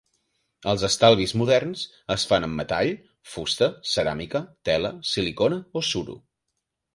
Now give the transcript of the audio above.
Els estalvis moderns es fan amb metal, fusta, ceràmica, tela, silicona o suro.